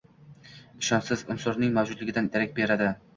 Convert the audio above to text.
ishonchsiz unsurning mavjudligidan darak beradi.